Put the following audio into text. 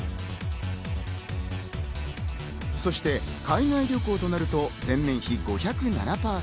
そして海外旅行となると、前年比５０７％。